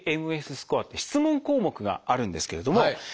「ＡＭＳスコア」っていう質問項目があるんですけれども。